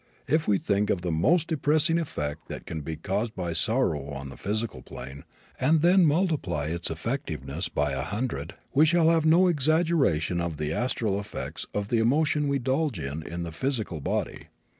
If we think of the most depressing effect that can be caused by sorrow on the physical plane, and then multiply its effectiveness by a hundred, we shall have no exaggeration of the astral effects of the emotions we indulge in the physical body.